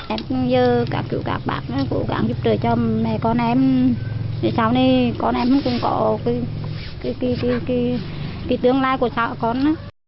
em cũng như các bạn cố gắng giúp đỡ cho mẹ con em để sau này con em cũng có cái tương lai của sau con